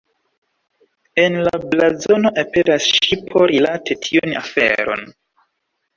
En la blazono aperas ŝipo rilate tiun aferon.